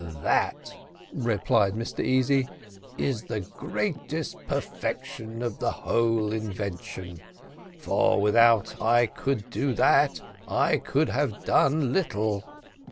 "That," replied Mr Easy, "is the greatest perfection of the whole invention, for without I could do that, I could have done little.